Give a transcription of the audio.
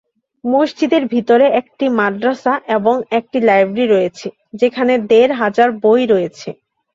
মসজিদের ভিতরে একটি মাদ্রাসা এবং একটি লাইব্রেরি রয়েছে যেখানে দেড় হাজার বই রয়েছে।